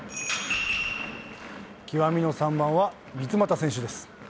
極みの３番は三ツ俣選手です。